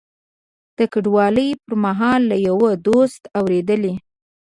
د کډوالۍ پر مهال له یوه دوست اورېدلي.